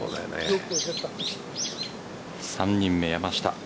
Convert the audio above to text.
３人目、山下。